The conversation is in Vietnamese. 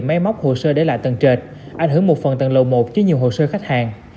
máy móc hồ sơ để lại tầng trệt ảnh hưởng một phần tầng lầu một với nhiều hồ sơ khách hàng